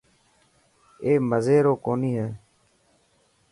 اي مزي رو ڪوني هي.